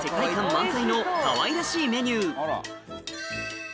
満載のかわいらしいメニュー中でも